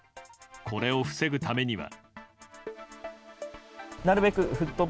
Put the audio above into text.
これを防ぐためには。